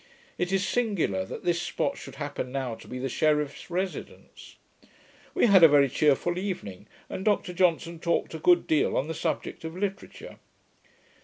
It is singular that this spot should happen now to be the sheriff's residence. We had a very cheerful evening, and Dr Johnson talked a good deal on the subject of literature.